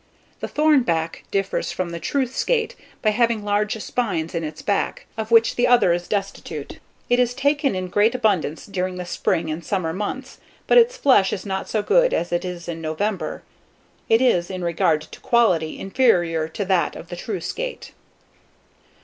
The THORNBACK differs from the true skate by having large spines in its back, of which the other is destitute. It is taken in great abundance during the spring and summer months, but its flesh is not so good as it is in November. It is, in regard to quality, inferior to that of the true skate.